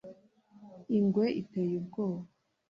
ingwe iteye ubwoba